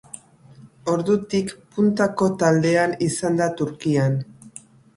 Ordutik puntako taldea izan da Turkian.